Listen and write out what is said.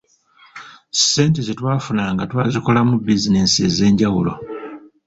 Ssente ze twafunanga twazikolamu bizinensi ezenjawulo.